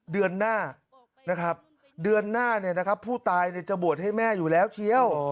เดือนหน้านะครับเดือนหน้าเนี่ยนะครับผู้ตายเนี่ยจะบวชให้แม่อยู่แล้วเชียว